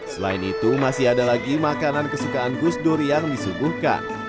selain itu masih ada lagi makanan kesukaan gus dur yang disuguhkan